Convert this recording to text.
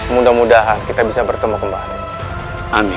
mudah mudahan kita bisa bertemu kembali